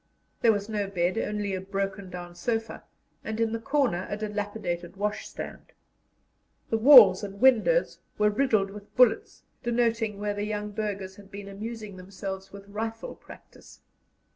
There was no bed, only a broken down sofa, and in the corner a dilapidated washstand; the walls and windows were riddled with bullets, denoting where the young burghers had been amusing themselves with rifle practice.